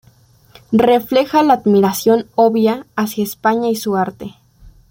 Refleja la admiración obvia hacia España y su arte.